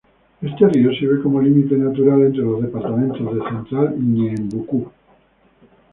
Este río sirve como límite natural entre los departamentos Central y Ñeembucú.